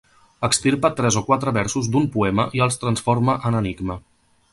Extirpa tres o quatre versos d'un poema i els transforma en enigma.